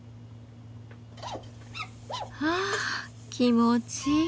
はぁ気持ちいい。